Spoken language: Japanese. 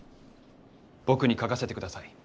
僕に書かせてください。